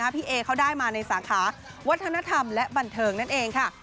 พี่เอเขาได้มาในสาขาวัฒนธรรมและบันเทิงนั่นเองค่ะ